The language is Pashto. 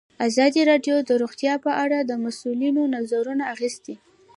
ازادي راډیو د روغتیا په اړه د مسؤلینو نظرونه اخیستي.